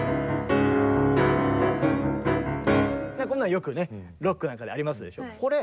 こんなのよくねロックなんかでありますでしょ。